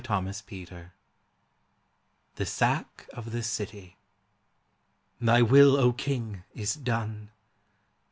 SHAKESPEARE. THE SACK OF THE CITY. Thy will, O King, is done!